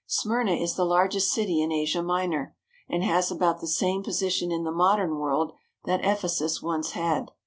Smyrna is the largest city in Asia Minor, and has about the same position in the modern world that Ephesus once had.